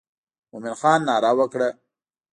مومن خان ناره وکړه.